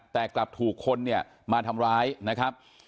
แต่กลับถูกคนเนี่ยมาทำร้ายนะครับ